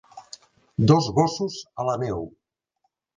Dos gossos a la neu.